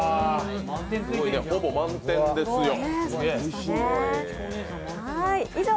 ほぼ満点ですよ。